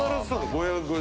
５５０円。